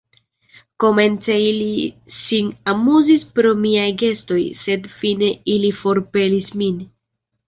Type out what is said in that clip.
Komence ili sin amuzis pro miaj gestoj, sed fine ili forpelis min.